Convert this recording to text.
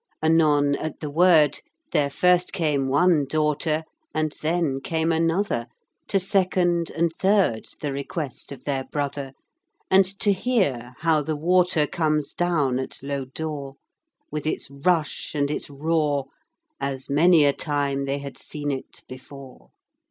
Anon, at the word, There first came one daughter, And then came another, To second and third The request of their brother, And to hear how the water Comes down at Lodore, With its rush and its roar, As many a time They had seen it before.